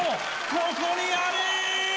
ここにあり！